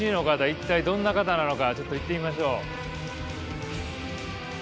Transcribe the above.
一体どんな方なのかちょっと行ってみましょう。